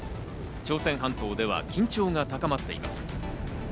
朝鮮半島では緊張が高まっています。